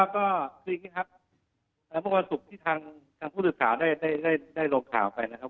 ก็คืออย่างนี้ครับเมื่อวันศุกร์ที่ทางผู้สื่อข่าวได้ลงข่าวไปนะครับ